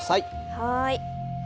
はい。